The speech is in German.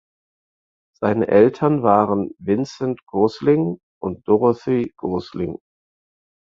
Seine Eltern waren Vincent Gosling und Dorothy Gosling.